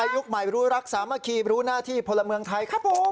เด็กอายุใหม่ไปรู้รักษามาคีไปรู้หน้าที่พลเมืองไทย